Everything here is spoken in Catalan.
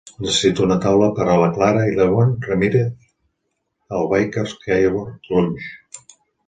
Necessito una taula per a la clara i l'yvonne ramirez al Baker's Keyboard Lounge.